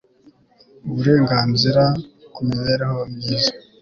Uburenganzira ku mibereho myiza